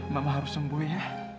mama harus sembuh ya